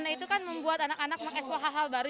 nah itu kan membuat anak anak mengekspor hal hal baru